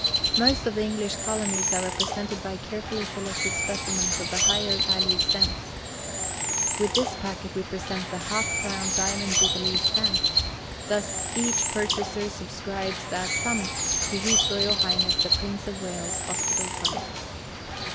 Most of the English Colonies are represented by carefully selected specimens of the higher value stamps. With this packet we present the Half crown Diamond Jubilee Stamp; thus each purchaser subscribes that sum to H.R.H. the Prince of Wales' Hospital Fund.